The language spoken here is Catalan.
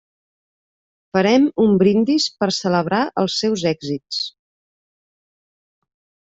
Farem un brindis per celebrar els seus èxits.